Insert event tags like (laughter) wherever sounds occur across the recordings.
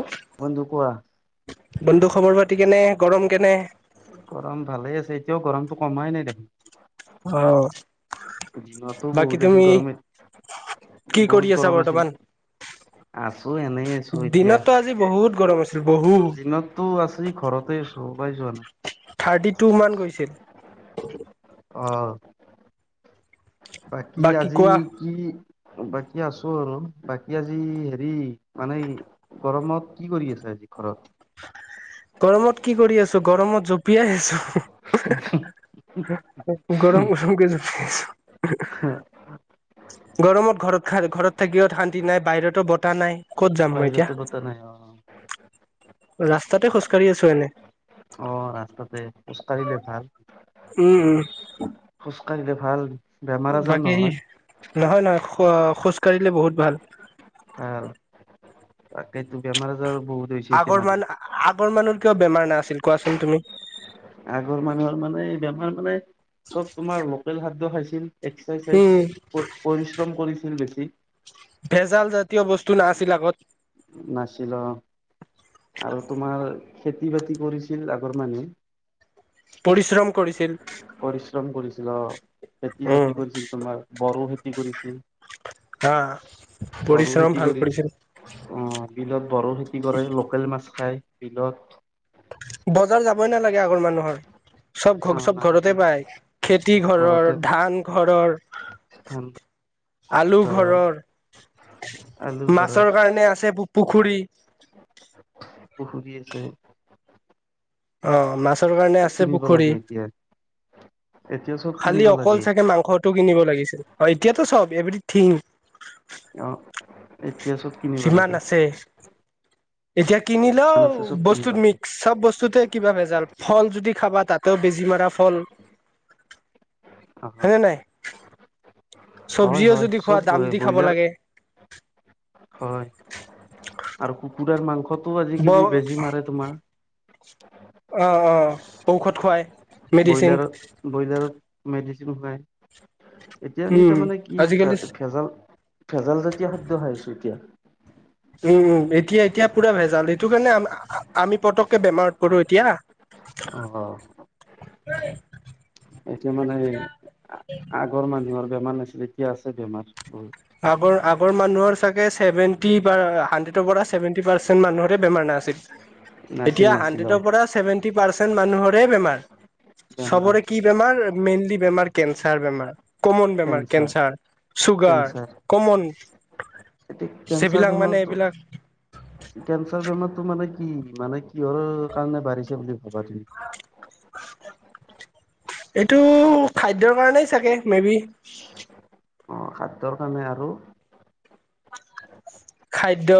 অ', বন্ধু কোৱা বন্ধু খবৰ পা, থিকে নে, গৰম কেনে? গৰম ভালে আছে, এতিয়াও গৰমতো কমাই নাই দেখোন। অ', দিনতো বাকী বহুত আছিল তুমি গৰম এত, কি কৰি বহুত আছা গৰম আছিল, বৰ্তমান আছো এনেই আছো এতিয়া। দিনততো আজি বহুত গৰম আছিল বহুত দিনততো আছি ঘৰতে আছো, ওলাই যোৱা থাৰ্টি নাই। টু মান (inaudible) অহ ', বাকি বাকী আজি কোৱা কি, বাকী আছো আৰু বাকী আজি হেৰি মানেই গৰমত কি কৰি আছা আজি ঘৰত? গৰমত কি কৰি আছো, গৰমত জপিয়াই আছো। গৰম গৰম কে জপিয়াই আছো। গৰমত ঘৰত খাৰ ঘৰত থাকিও শান্তি নাই, বাহিৰতো বতাহ নাই। ক'ত যাম মই এতিয়া বাহিৰতো বতাহ নাই, অ', ৰাস্তাতে খোজকাঢ়ি আছো এনে। অ', ৰাস্তাতে খোজকাঢ়িলে ভাল। উ'ম, উ'ম। কাঢ়িলে ভাল। বেমাৰ আজাৰ বাকী নহয়, নহয়। খোৱা খোজকাঢ়িলে বহুত ভাল। ভাল, তাকেইতো বেমাৰ আজাৰ বহুত হৈছে এতিয়া আগৰ মানুহ মান আগৰ মানুহ কিয় বেমাৰ না আছিল কোৱাচোন তুমি? আগৰ মানুহৰ মানে এই বেমাৰ মানে চব তোমাৰ লোকেল খাদ্য খাইছি এক্সাৰচাইজ, উম পৰি পৰিশ্ৰম কৰিছিল বেছি। তি। ভেজাল জাতীয় বস্তু না ছিল আগত। নাছিল অ, আৰু তোমাৰ খেতি-বাতি কৰিছিল আগৰ মানুহে। পৰিশ্ৰম কৰিছিল। পৰিশ্ৰম কৰিছিল অ', খেতি উম। বাতি কৰিছিল তোমাৰ বৰোখেতি কি কৰিছিল। হা পৰিশ্ৰম ভাল কৰিছিল। (unintelligible) ঈদত বৰ খেতি কৰে লোকেল মাছ খায়। বিনোদ। বজাৰ যাবই নালাগে আগৰ মানুহৰ চব ঘ খাব চব নালাগে ঘৰতে পায় খেতি ঘৰৰ ঘৰতে ধান ঘৰৰ ধান আলু ঘৰৰ আলু ঘৰৰ মাছৰ কাৰণে আছে। সেবোৰ পুখুৰী। পুখুৰি আছে। অ মাছ ৰ কাৰণে আছে কিনিব পুখুৰী লাগে এতিয়া এতিয়া চব কিনিব খালি লাগে অকল চাগে মাংসটো কিনিব লাগিছিল অ এতিয়াতো চব এভৰিথিং। অ এতিয়া চব কিনিব যিমান লাগে। আছে এতিয়া কিনিলেও দোকান আছে চব কিনিব বস্তুত লাগে মিক্স চব বস্তুতে। জাল ফল যদি খাবা তাতেও বেজি মৰা ফল। অ চবজিও যদি খোৱা দাম দি খাব ব্ৰইলাৰ লাগে। হয় আৰু কুকুৰাৰ মাংসত। টো ব অ আজিকালি বেজি মাৰে তোমাৰ। অ অ ঔষধ খুৱাই। মেডিচিন ব্ৰইলাৰত, ব্ৰইলাৰত। মেডিচিন খুৱাই। এতিয়া আমি উম তাৰমানে কি আজিকালি ভেজাল। ভেজাল জাতীয় খাদ্য খাই আছো এতিয়া। উম উম এতিয়া এতিয়া পুৰা ভেজাল এইটো কাৰণে আ আমি পতককে বেমাৰত পৰো এতিয়া। আহ। এতিয়া মানে আগৰ মানুহৰ। বেমাৰ নাছিলে এতিয়া আছে বেমাৰ উম। আগৰ আগৰ মানুহৰ চাগে ছেভেনটি হানড্ৰেদৰ পৰা ছেভেন্টি পাৰ্চেন্ট মানুহৰে বেমাৰ নাছিল। নাছিল এতিয়া নাছিল অ হানড্ৰেদৰ পৰা চেভেনটি পাৰ্চেন মানুহৰ ৰে বেমাৰ। বেমাৰ চবৰে কি বেমাৰ? মেইনলি বেমাৰ কেন্সাৰ বেমাৰ। কমন বেমাৰ কেঞ্চাৰ কেন্সাৰ, চুগাৰ। কেঞ্চাৰ (unintelligible) এতিয়া কেঞ্চাৰ যিবিলাক মানে বেমাৰটো এইবিলাক। কেঞ্চাৰ বেমাৰটো মানে কি? মানে কিহৰ কাৰণে বাঢ়িছে বুলি ভাবা তুমি? এইটো খাদ্যৰ কাৰণেই চাগে মে বি। অ', খাদ্যৰ কাৰণে আৰু খাদ্য।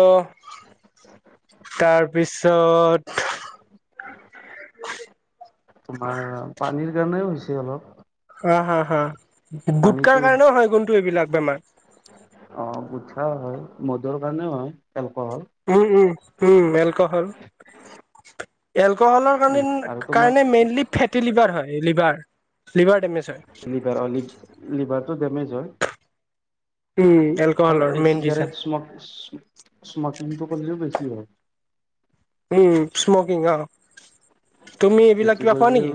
তাৰপিছত। তোমাৰ পানীৰ সেই কাৰণেও হৈছে অলপ। হা হা হা পানীটো গুটকাৰ কাৰণেও হয় গুণটো এইবিলাক বেমাৰ। অ', গুটকা হয় মদৰ কাৰণেও হয় এলক'হল। উম, উম, উম এলক'হল এল ক'হলৰ উম, কাৰণে আৰু তোমাৰ কাৰণে মেইনলি ফেটি লিভাৰ হয়। লিভাৰ লিভাৰ ডেমেজ হয় লিভাৰ অ লি-লিভাৰ টো ডেমেজ হয়। উম, আৰু এলক'হলৰ এই মেইন চিগাৰেট ৰিজন স্মক স্মকিংটো কৰিলেও বেছি হয়। উম, স্মকিং অ। তুমি এইবিলাক এইটো কিবা খোৱা কৰিলেও নেকি?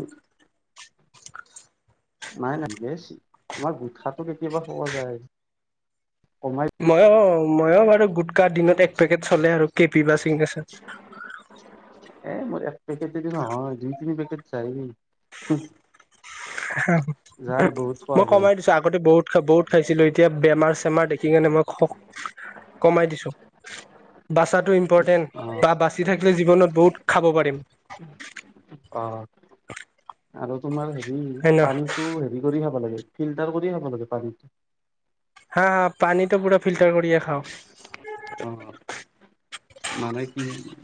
নাই নাই গেছ আমাৰ গোটখাটো কেতিয়াবা খোৱা যায়। কমাই ময়ো ময়ো বাৰু গুটকা দিনত এক পেকেট চলে আৰু কে পি বা চিগনেচাৰ। এ মোৰ এক পেকেট এদি নহয় দুই, তিনি পেকেট যায়ে। হা খোৱা মই যায় কমাই দিছো আগতে বহুত, বহুত খাইছিলো এতিয়া বেমাৰ চেমাৰ দেখি কেনে মই খ কমাই দিছো বাচাটো ইম্পৰ্টেণ্ট। অ ‌ বা বাচি থাকিলে জীৱনত বহুত খাব পাৰিম। অ আৰু তোমাৰ হেৰি হয় ন পানীতো হেৰি কৰি খাব লাগে। ফিল্টাৰ কৰি খাব লাগে পানীটো হা হা পানীটো পুৰা ফিল্টাৰ কৰিয়ে খাও অ মানে কি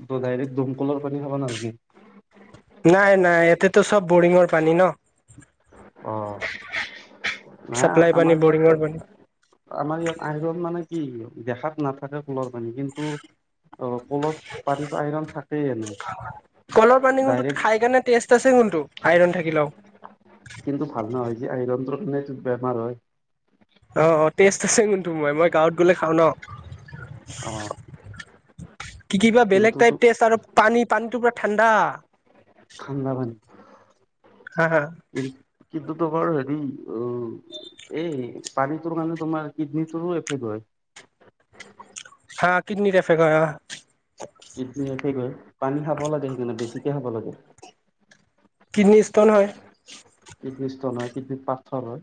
ত ডাইৰেক্ট দমকলৰ পানী খাবা নালগে নাই নাই ইয়াতেতো চব বৰিঙৰ পানী ন না চাপ্লাই পানী আমাৰ ইয়াত বৰিঙৰ পানী আমাৰ ইয়াত আজন মানে কি দেখাত নাথাকে কুলৰ পানী কিন্তু অ কলত পানীত আইৰণ থাকেই কলৰ পানী এনেই কোনটোত খাই ডাইৰেক্ট কাৰণে টেষ্ট আছে কোনটো আইৰণ থাকিলেও কিন্তু ভাল নহয় যে আইৰণটোৰ কাৰণেটো বেমাৰ হয় অ টেষ্ট আছে কোনটো মই মই গাঁৱত গলে খাওঁ ন অ কি কিবা বেলেগ কিন্তু টাইপ তো টেষ্ট আৰু পানী পানীটো পুৰা ঠাণ্ডা ঠাণ্ডা পানী হা হা কিতৰ হেৰি এই পানীটোৰ কাৰণে তোমাৰ কিডনীটোৰো এফেক্ট হয় হা কিডনিত এফেক্ট হয় অ কিত্নি এফেক্ট হয় পানী খাব লাগে সেইকানে বেছি হবলাগে কিডনী ষ্টোন হয় কিডনী ষ্টোন হয় কিডনী পাথৰ হয়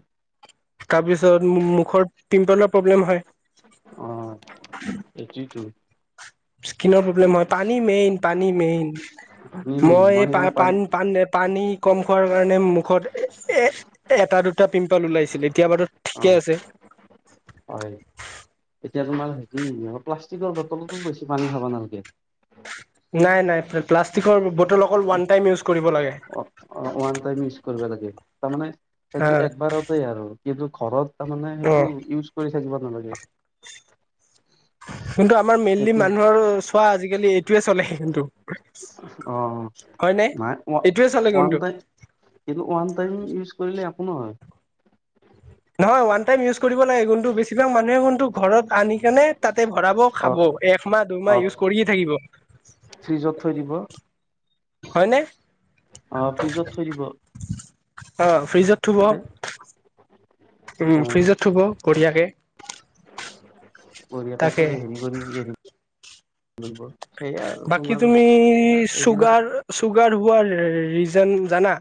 তাৰপিছত মুখৰ পটিম্পলৰ প্ৰব্লেম হয় উ এইটোৱে টো স্কিনৰ প্ৰব্লেম হয় পানী মেইন পানী মেইন পানী মেইন মই এই পা সেইকাৰণে পানী পান পান পানী কম খোৱাৰ কাৰণে মুখত এ এটা দুটা পিম্পল ওলাইছিল এতিয় বাৰো অ ঠিকে আছে হয় এতিয়া তোমাৰ হেৰি প্লাষ্টিকৰ বটলতো বেছি পানী খাবা নালাগে নাই নাই প্লাষ্টিকৰ বটল অকল ওৱান টাইম ইউজ কৰিব লাগে ওৱান টাইম ইচ কৰিব লাগে তাৰ মানে হা সেইটো একবাৰতেই আৰু কিন্তু ঘৰত তাৰ মানে অ সেইটো ইউজ কৰি জিব নালাগে কিন্তু আমাৰ মেইনলি সেইটো মানুহৰ চোৱা আজিকালি এইটোৱে চলে কিন্তু অ হয় ন এইটোৱে চলে কিন্তু কিটো ওৱান টাইম ইউজ কৰিলে নহয় নহয় ওৱান টাইম ইউজ কৰিব লাগে কিন্তু বেছিভাগ মানুহেু ঘৰত আনি কেনে তাত তাতে ভৰাব অ খাব একমাহ অ দুমাহ ইউজ কৰিয়ে ফ্ৰিজত থৈ দিব থাকিব হয়নে অ' ফ্ৰিজত থৈ দিব। অ'। ফ্ৰিজত থ'ব। তাতে অ উম, ফ্ৰিজত থব বঢ়িয়াকে। (inaudible) বঢ়িয়াকে থৈ তাকে হেৰি কৰি উলিয়াই দিম। ধৰিব। বাকি তুমি এইবিলাক চুগাৰ চুগাৰ- পোৱাৰ ৰিজন জানা,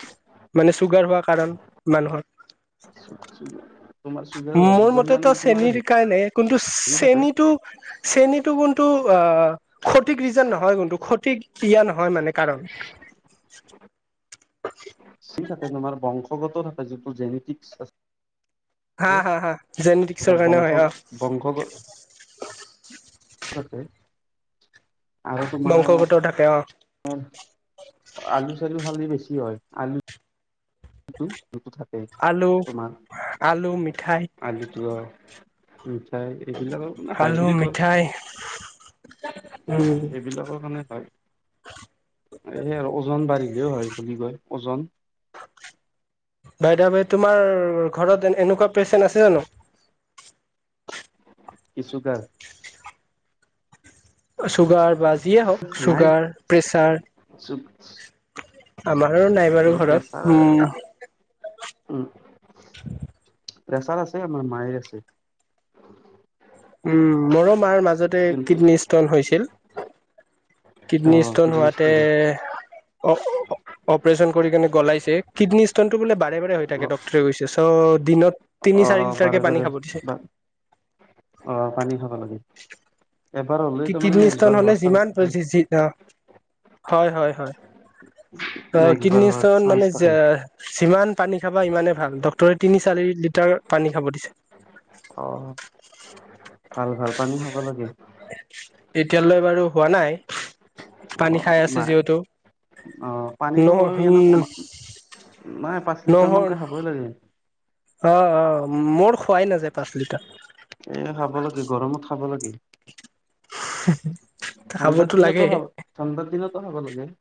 মানে চুগাৰ হোৱা কাৰণ মানুহৰ? তোমাৰ চুগাৰ হোৱা মোৰ কিজন মানে মতেতো তোমাৰ চেনিৰ কাৰণে কিন্তু হেৰি থাকে চেনিটো চেনিটো কিন্তু অ' সঠিক ৰিজন নহয় কিন্তু সঠিক এইয়া নহয় মানে কাৰণ। চি থাকে তোমাৰ বংশগত থাকে যিটো জেনেটিকছ (unintelligible) হা হা হা জেনেটিক্সৰ হে--আমাৰ কাৰণে হয় অ বংশত বংশগত বংশতে বংশগতৰ থাকে। অ'। আলু চালু খালে বেছি হয়। আলু হুই আলু। আলু, মিঠাই উম চাই। এইবিলাকৰ মানে হয় আলু বুলি কয়। মিঠাই (inaudible) এইবিলাকৰ কাৰণে হয়। এই আৰু ওজন বাঢ়িল। তেওঁ হয় বুলি কয়। ওজন বাইদাৱে তোমাৰ ঘৰত- এনে এনেকুৱা পেচেন্ট আছে জানো? কিছু কাৰ- অ' চুগাৰ। বা যিয়ে হওক নাই চুগাৰ, প্ৰেছাৰ- আমাৰ- কৰোঁ নাই বাৰু। ঘৰত উম উম্। প্ৰেচাৰ আছে, আমাৰ মাৰ আছে। উম। মোৰো মাৰ মাজত- মাজতে কিন্তু কিডনী ষ্টন হৈছিল। অ কিডনী ষ্টোন কিডনী হোৱাতে ষ্টন অপ্ অপ্ অপাৰেচন কৰি কিনে গলাইছে। কিডনী ষ্টন টো বোলে বাৰে বাৰে হৈ থাক ডকটৰে গৈছে (unintelligible) ত' দিনত তিনি চাৰি অ', বাৰে লিটাৰকে বাৰে পানী খাব দিছে বা অ পানী খাব লাগে এবাৰ হ'লে কি তাৰমানে নেক্সট কিডনীইচতন বাৰ হলে হোৱাৰ চান্স যিমান থাকে। পছিত ন হয় হয় হয় অ নেক্সট বাৰ হোৱাৰ কীতনিকস্তন চান্স মানে থাকে। যিমান পানী খাবা ইমানে ভাল ডক্তৰে তিনি চাৰি লিটাৰ পানী খাব দিছে অ ভাল ভাল পানী খাব লাগে এতিয়ালৈ বাৰু হোৱা নাই অ পানী খাই আছে নাই যিহেতু অ পানীটো মই এনেই কমা ন নাই পাঁচ ন লিটাৰমানকৈ খাবই লাগে। অ অ মোৰ খোৱাই নাযায় পাঁচ লিটাৰ। এ খাব লাগে গৰমত খাব লাগে। (unintelligible) ঠাণ্ডাৰ খাবতো লাগে দিনতো হাব ঠাণ্ডাৰ দিনতো খাব লাগে।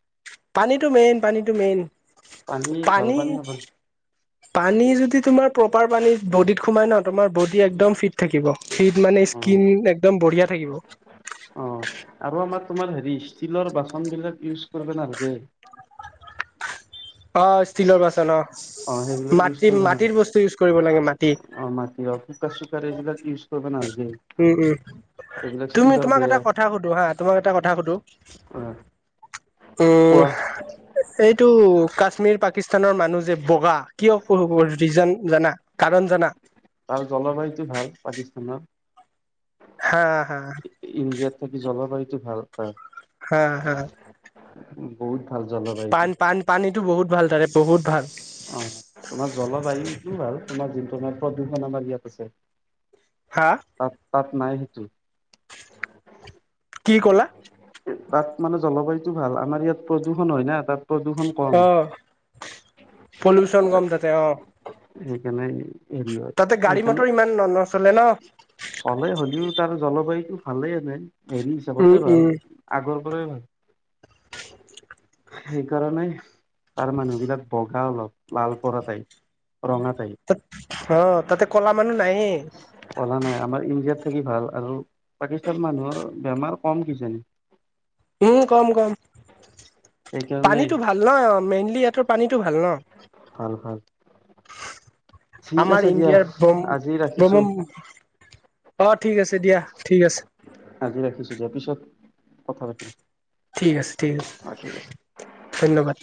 পানীটো মেইন পানীটো মেইন ভাল পানী খাব লাগে। পানী যদি তোমাৰ প্ৰপাৰ পানী বডিত সোমাই ন তোমাৰ বডি একদম ফিট থাকিব। ফিত মানে অ', স্কিন একদম বঢ়িয়া, থাকিব। অ আৰু আমাৰ তোমাৰ হেৰি ষ্টীলৰ বাচন বিলাক ইউজ কৰিব নালাগে। অ ষ্টীলৰ বাচন অ অ সেইবিলাক ইউজ মাটি কৰিব মাটিৰ বস্তু ইউজ কৰিব লাগে মাটি নালাগে অ মাটি অ কুকাৰ চুকাৰ এইিলাক ইউজ কৰিব নালাগে। উম উম এইবিলাক তুমি ষ্টীলৰ তোমাক বেয়া এটা কথা সুধো হা তোমাক এটা কথা সুধো অ উম খোৱা এইটো কাশ্মীৰ পাকিস্তানৰ মানুহ যে বগা কিয়, (unintelligible) ৰিজান জানা। কাৰণ জানা? তাৰ জলবায়ুটো ভাল পাকিস্তানৰ। হা হা ইণ্ডিয়াত থাকি জলবায়ু টো ভাল হয়। হা, হা! বহুত ভাল জলবায়ুটো পান, পান-পানীতো বহুত ভাল তাৰে। বহুত ভাল। অ' তোমাৰ জলবায়ু এইটোও ভাল তোমাৰ যোনটো মানে প্ৰদূষণ আমাৰ ইয়াত আছে। হা তাত, তাত নাই। (inaudible) কি ক'লা? তাত মানে জলবায়ুটো ভাল, আমাৰ ইয়াত প্ৰদূষণ হয় না। তাত, প্ৰদূষণ কম। পলুউচন কম তাতে অ'। কেনেই হেল্ল হয় তাতে গাড়ী সেইকাৰণে মটৰ ইমান ন নচলে ন চলে হ'লেও তাৰ জলবায়ু ভালে এনেই হেৰি উম হিচাপতে ভাল উম আগৰ সেইকাৰণে তাৰ মানুহ বিলাক বগা অলপ লাল পৰা তাই ৰঙাতাই। তাত অ তাতে কলা। মানুহ নাই। পঢ়া নাই আমাৰ ইণ্ডিয়াত থাকি ভাল আৰু পাকিস্তান মানুহৰ বেমাৰ কম কিজানি। উম, কম, কম। সেইকাৰণে পানীতো ভাল নহ অ মেইনলি। ইহঁৰ পানীটো ভাল ন। ভাল, ভাল। ঠিক আমাৰ আছে দিয়া আজি ৰাখিছো ইণ্ডিয়াৰ্ৰ অ ঠিক আছে দিয়া ঠিক আছে। আাজি ৰাখিছোঁ দিয়া পিছত কথা পাতিম। ঠিক আছে ঠিক আছে অ ঠিক আছে ধন্যবাদ।